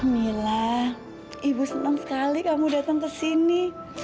mila ibu senang sekali kamu datang ke sini